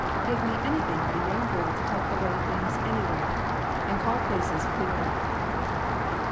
Give me anything but a young girl to tuck away things anywhere, and call places cleared up."